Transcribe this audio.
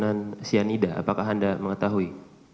yang keracunan cyanida apakah anda mengetahui